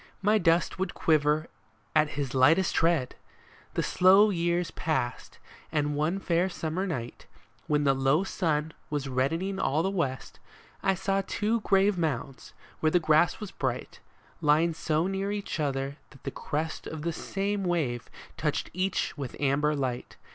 My dust would quiver at his lightest tread !" The slow years passed ; and one fair summer night, When the low sun was reddening all the west, I saw two grave mounds, where the grass was bright, Lying so near each other that the crest Of the same wave touched each with amber light.